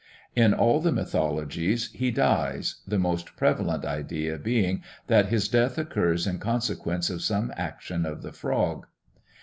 In all the mythologies he dies, the most prevalent idea being that his death occurs in consequence of some action of the Frog.